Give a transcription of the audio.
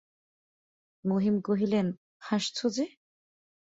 মহিম কহিলেন, হাসছ যে!